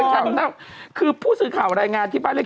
หรือกูเดาหรือป๊าแฮปปะเนี่ย